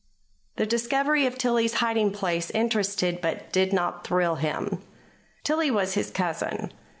The discovery of Tillie's hiding place interested but did not thrill him. Tillie was his cousin.